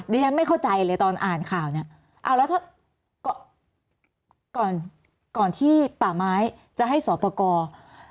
ดิฉันไม่เข้าใจเลยตอนอ่านข่าวเนี่ยเอาแล้วถ้าก่อนก่อนที่ป่าไม้จะให้สอบประกอบ